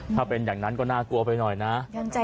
ถ้าเป็นอย่างนั้นก็น่ากลัวไปหน่อยนะ